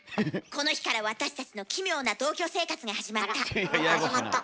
この日から私たちの奇妙な同居生活が始まった。